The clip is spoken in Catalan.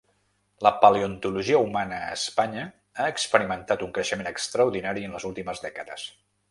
La paleontologia humana a Espanya ha experimentat un creixement extraordinari en les últimes dècades.